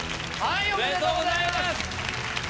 おめでとうございます。